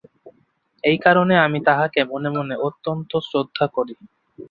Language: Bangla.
এই কারণে আমি তাহাকে মনে মনে অত্যন্ত শ্রদ্ধা করি।